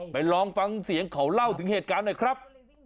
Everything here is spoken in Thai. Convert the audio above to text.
ลองฟังเสียงเขาเล่าถึงเหตุการณ์หน่อยครับ